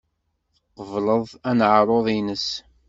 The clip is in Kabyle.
Tqebleḍ aneɛruḍ-nnes?